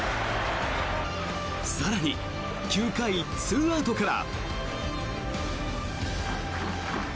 更に、９回２アウトから。